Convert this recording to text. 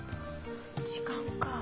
時間か。